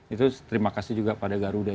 itu terima kasih juga pada garuda